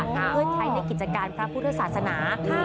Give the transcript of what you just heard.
เพื่อใช้ในกิจการพระพุทธศาสนา